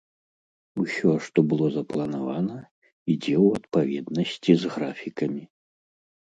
Усё, што было запланавана, ідзе ў адпаведнасці з графікамі.